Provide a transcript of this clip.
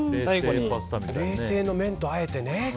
冷製の麺とあえてね。